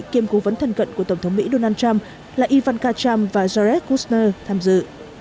kiêm cố vấn thân cận của tổng thống mỹ donald trump là ivanka trump và jared kushner tham dự